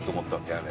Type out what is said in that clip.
あれ。